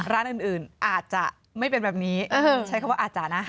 ร้านอื่นอาจจะไม่เป็นแบบนี้ใช้คำว่าอาจจะนะ